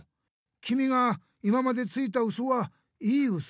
きみが今までついたウソはいいウソ？